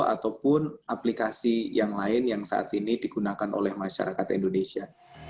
ataupun aplikasi yang lain yang saat ini digunakan oleh masyarakat indonesia